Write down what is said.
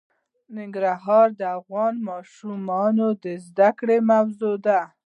ننګرهار د افغان ماشومانو د زده کړې موضوع ده.